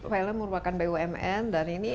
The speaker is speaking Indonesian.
villa merupakan bumn dan ini